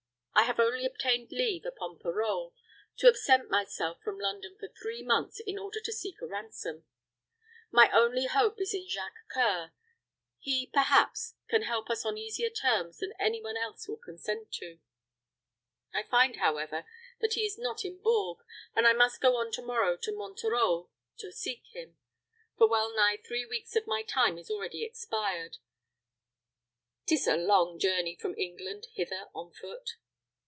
I have only obtained leave upon parole, to absent myself from London for three months, in order to seek a ransom. My only hope is in Jacques C[oe]ur; he, perhaps, may help us on easier terms than any one else will consent to. I find, however, that he is not in Bourges, and I must go on to morrow to Monterreau to seek him; for well nigh three weeks of my time is already expired; 'tis a long journey from England hither on foot."